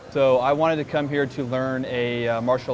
saya ingin datang ke sini untuk belajar arti kursus